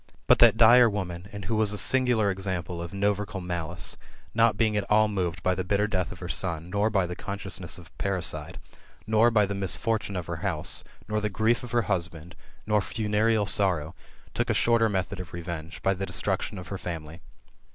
But that dire woman, and who was a singular example of novercal malice, not being at all moved by the bitter death of her son, nor by the consciousness of parri cide, nor by the misfortune of her house, nor ihe grief of her husband, nor funereal sorrow, took a shorter method of revenge, by the destruction of her family.